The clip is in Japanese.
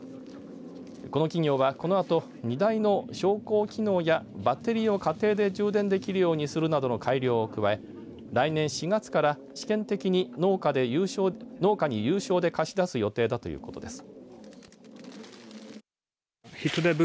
この企業はこのあと２台の昇降機能やバッテリーを家庭で充電できるようにするなどの改良を加え来年４月から試験的に農家に有償で貸し出す予定だということです。